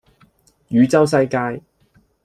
汝州西街